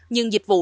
nhưng dịch vụ